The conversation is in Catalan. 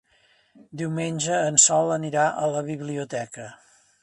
Diumenge en Sol anirà a la biblioteca.